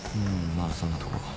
まあそんなとこ。